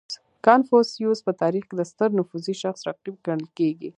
• کنفوسیوس په تاریخ کې د ستر نفوذي شخص رقیب ګڼل کېږي.